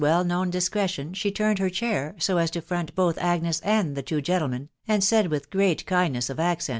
THB WTOOW BAiWABff »]£$ c reti on, she turned her chair, so as to front both; Agnes. anil the two gentlemen, and said with great kindness of acsaofc